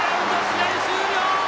試合終了！